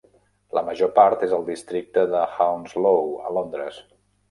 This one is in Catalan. La major part és al districte de Hounslow, a Londres.